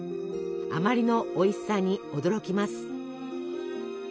あまりのおいしさに驚きます。